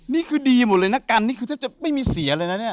นี่คือดีหมดเลยนะกันนี่คือแทบจะไม่มีเสียเลยนะเนี่ย